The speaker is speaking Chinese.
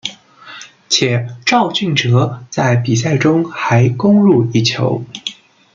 且肇俊哲在比赛中还攻入一球。